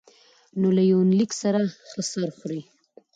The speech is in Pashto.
نو له يونليک سره ښه سر خوري